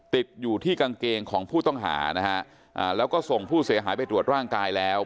ติดอยู่ที่กางเกงของผู้ต้องหานะฮะแล้วก็ส่งผู้เสียหายไปตรวจร่างกายแล้ว